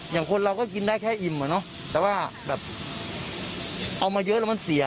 อย่างคนเราก็กินได้แค่อิ่มอะเนาะแต่ว่าแบบเอามาเยอะแล้วมันเสีย